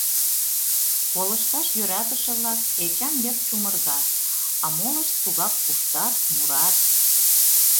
Колышташ йӧратыше-влак Эчан йыр чумыргат, а молышт тугак куштат, мурат.